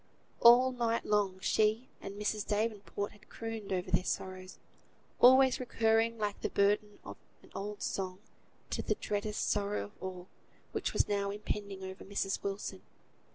All night long she and Mrs. Davenport had crooned over their sorrows, always recurring, like the burden of an old song, to the dreadest sorrow of all, which was now impending over Mrs. Wilson.